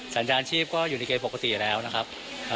สัญญาณชีพก็อยู่ในเกณฑ์ปกติอยู่แล้วนะครับ